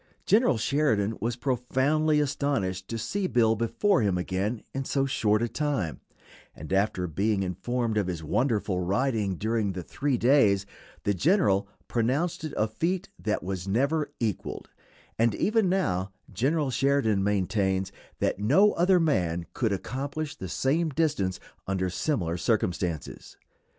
General Sheridan was profoundly astonished to see Bill before him again in so short a time, and after being informed of his wonderful riding during the three days the general pronounced it a feat that was never equaled; and even now General Sheridan maintains that no other man could accomplish the same distance under similar circumstances.